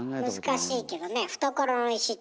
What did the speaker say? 難しいけどね。